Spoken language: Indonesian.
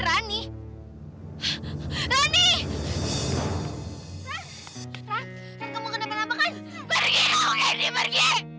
pergi kau gini pergi